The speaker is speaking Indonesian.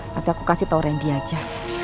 nanti aku kasih tau rendy aja